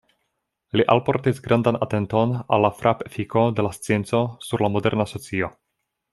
Li alportis grandan atenton al la frap-efiko de la scienco sur la moderna socio.